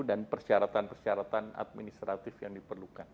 dan persyaratan persyaratan administratif yang diperlukan